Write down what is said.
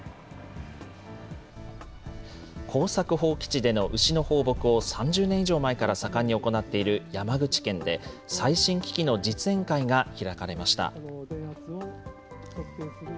耕作放棄地での牛の放牧を３０年以上前から盛んに行っている山口県で、最新機器の実演会が開かれました。